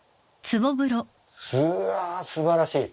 うわ素晴らしい。